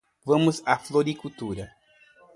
Vamos até a floricultura?